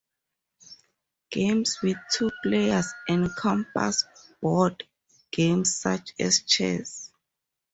Games with two players encompass board games such as chess.